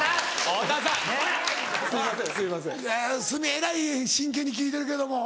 えらい真剣に聞いてるけども。